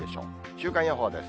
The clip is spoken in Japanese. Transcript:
週間予報です。